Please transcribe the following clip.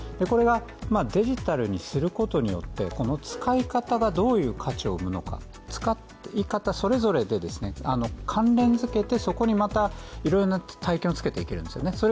これがデジタルにすることによって使い方がどういう価値を生むのか、使い方それぞれで関連づけてそこにまたいろいろな体験をつけていけるんですよね。